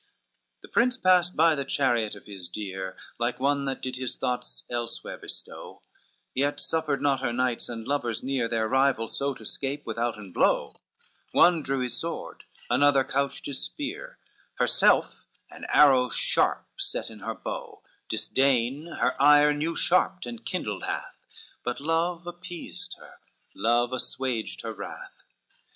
LXII The prince passed by the chariot of his dear Like one that did his thoughts elsewhere bestow, Yet suffered not her knights and lovers near Their rival so to scape withouten blow, One drew his sword, another couched his spear, Herself an arrow sharp set in her bow, Disdain her ire new sharped and kindled hath, But love appeased her, love assuaged her wrath.